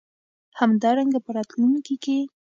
همدارنګه په راتلونکې کې